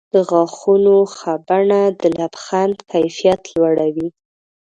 د غاښونو ښه بڼه د لبخند کیفیت لوړوي.